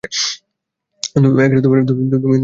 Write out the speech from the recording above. তুমি নিজেকে কী মনে করো?